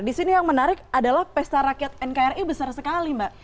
di sini yang menarik adalah pesta rakyat nkri besar sekali mbak